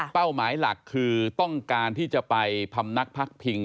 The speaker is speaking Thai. เป้าหมายหลักคือต้องการที่จะไปพรรมนักพรรคภิง